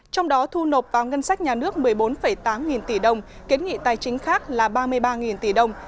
trong đó thu nộp vào ngân sách nhà nước một mươi bốn tám nghìn tỷ đồng kiến nghị tài chính khác là ba mươi ba nghìn tỷ đồng